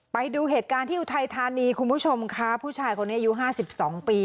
ไปดูเหตุการณ์ที่อุทัยธานีคุณผู้ชมค่ะผู้ชายคนนี้อายุห้าสิบสองปี